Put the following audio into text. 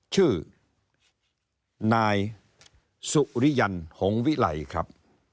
ชื่อนายสุริยันหงวิไลครับ